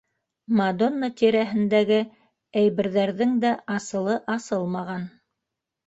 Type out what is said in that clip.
«Мадонна» тирәһендәге әйберҙәрҙең дә асылы асылмаған.